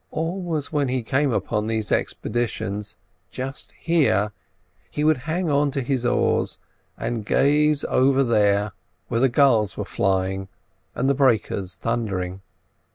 Always when he came on these expeditions, just here, he would hang on his oars and gaze over there, where the gulls were flying and the breakers thundering.